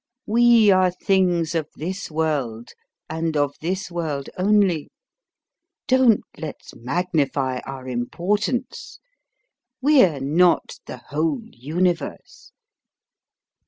We are things of this world, and of this world only. Don't let's magnify our importance: we're not the whole universe.